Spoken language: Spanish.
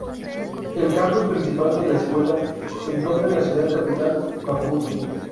El campus principal de la escuela se encuentra en la ciudad capital, Maputo.